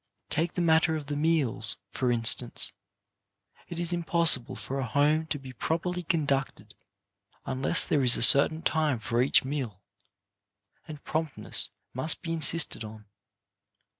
Take the matter of the meals, for instance. It is impossible for a home to be properly conducted unless there is a certain time for each meal, and promptness must be insisted on.